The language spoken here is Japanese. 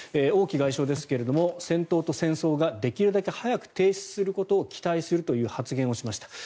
王毅外相ですが戦闘と戦争ができるだけ早く停止することを期待するという発言をしました。